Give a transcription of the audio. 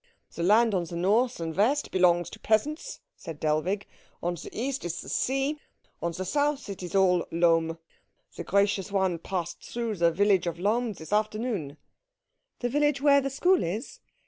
"The land on the north and west belongs to peasants," said Dellwig. "On the east is the sea. On the south it is all Lohm. The gracious one passed through the village of Lohm this afternoon." "The village where the school is?"